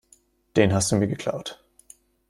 Den hast du mir geklaut.